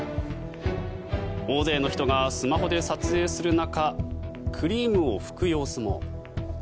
大勢の人がスマホで撮影する中クリームを拭く様子も。